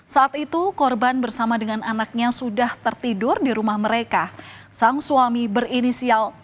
saat itu korban bersama dengan anaknya sudah tertidur di rumah mereka sang suami berinisial